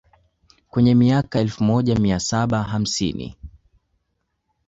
kwenye miaka ya elfu moja mia saba hamsini